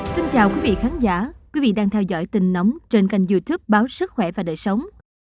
xin chào quý vị khán giả quý vị đang theo dõi tình nóng trên kênh youtube báo sức khỏe và đời sống